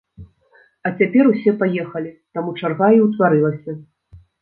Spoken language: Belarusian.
А цяпер усе паехалі, таму чарга і ўтварылася.